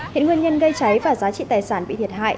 hiện nguyên nhân gây cháy và giá trị tài sản bị thiệt hại